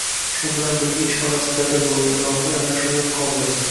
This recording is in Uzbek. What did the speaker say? shu bilan birga ishorasi dadil bo‘lgan, ilohiy aralashuvi yaqqol bo‘lgan